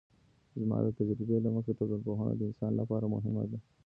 زما د تجربې له مخې ټولنپوهنه د انسان لپاره مهمه ده.